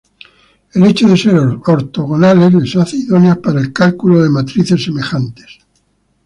El hecho de ser ortogonales las hace idóneas para el cálculo de matrices semejantes.